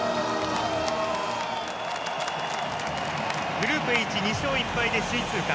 グループ Ｈ２ 勝１敗で首位通過。